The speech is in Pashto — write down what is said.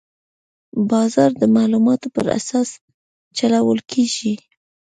بازار د معلوماتو پر اساس چلول کېږي.